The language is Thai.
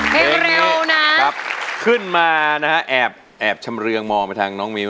เพลงเร็วนะครับขึ้นมานะฮะแอบแอบชำเรืองมองไปทางน้องมิ้ว